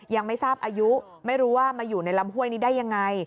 ยังไม่ทราบอายุไม่รู้ว่ามาอยู่ในลำห้วยนี้ได้ยังไง